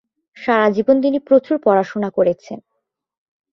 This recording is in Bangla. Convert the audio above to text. সারা জীবন তিনি প্রচুর পড়াশোনা করেছেন।